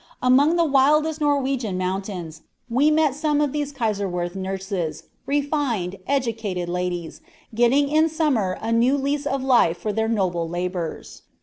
Among the wildest Norwegian mountains we met some of these Kaiserwerth nurses, refined, educated ladies, getting in summer a new lease of life for their noble labors.